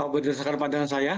berdasarkan pandangan saya